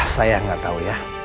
saya gak tau ya